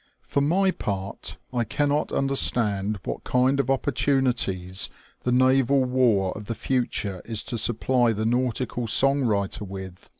For my part, I cannot understand what kind of opportunities the naval war of the future is to supply the nautical song writer with.